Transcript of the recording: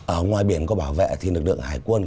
ở ngoài biển có bảo vệ thì lực lượng hải quân